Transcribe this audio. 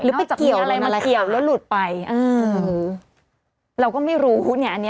หรือเป็นเกี่ยวอะไรมันเกี่ยวแล้วหลุดไปอืมเราก็ไม่รู้เนี้ย